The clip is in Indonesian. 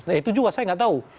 nah itu juga saya nggak tahu